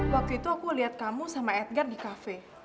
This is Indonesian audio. waktu itu aku lihat kamu sama edgar di kafe